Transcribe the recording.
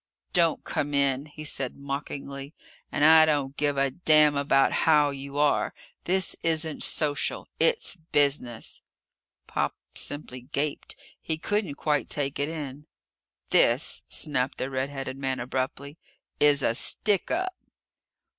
"Don't come in!" he said mockingly. "And I don't give a damn about how you are. This isn't social. It's business!" Pop simply gaped. He couldn't quite take it in. "This," snapped the red headed man abruptly, "is a stickup!"